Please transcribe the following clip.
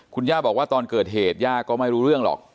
คุณย่าบอกว่าตอนเกิดเหตุย่าก็ไม่รู้เรื่องหรอก